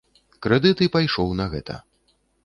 Крэдыт і пайшоў на гэта.